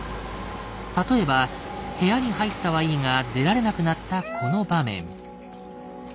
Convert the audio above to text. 例えば部屋に入ったはいいが出られなくなったこの場面。